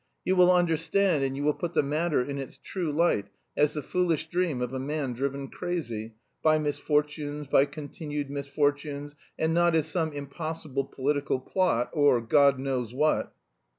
You will understand and you will put the matter in its true light, as the foolish dream of a man driven crazy... by misfortunes, by continued misfortunes, and not as some impossible political plot or God knows what!"